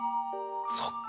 そっか。